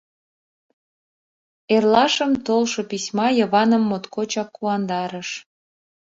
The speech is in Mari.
Эрлашым толшо письма Йываным моткочак куандарыш.